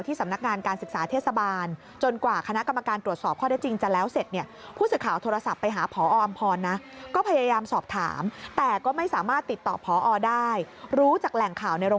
ที่สำนักงานการศึกษาเทศบาล